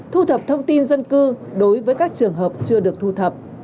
thu thập thông tin dân cư đối với các trường hợp chưa được thu thập